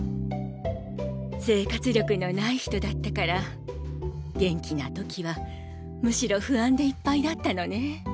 生活力のない人だったから元気な時はむしろ不安でいっぱいだったのね。